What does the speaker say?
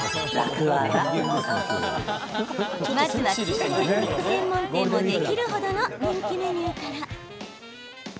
まずは近年、専門店もできる程の人気メニューから。